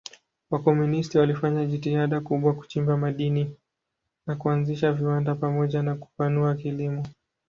Wakomunisti walifanya jitihada kubwa kuchimba madini na kuanzisha viwanda pamoja na kupanua kilimo.